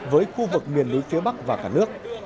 với khu vực miền núi phía bắc và cả nước